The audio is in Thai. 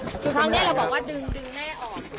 คือครั้งนี้เราบอกว่าดึงแม่ออก